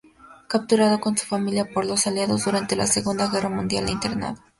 Capturado con su familia por los aliados durante la segunda guerra mundial e internado.